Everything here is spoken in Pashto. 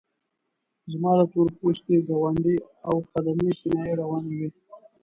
زما د تور پوستي ګاونډي او خدمې کنایې روانې وې.